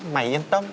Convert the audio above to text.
mày yên tâm